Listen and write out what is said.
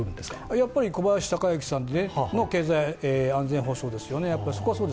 やっぱり小林鷹之さんの経済安全保障ですよね。